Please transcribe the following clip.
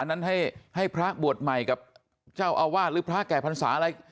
นั้นให้พระบวชใหม่กับเจ้าอาวาสหรือพระแก่พรรษาอะไร